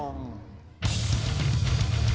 ลูกเจ้าพ่อบ่อทอง